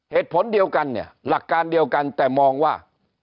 เหตุผลเดียวกันเนี่ยหลักการเดียวกันแต่มองว่า